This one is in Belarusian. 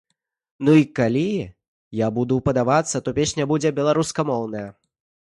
Ну, і калі я буду падавацца, то песня будзе беларускамоўная.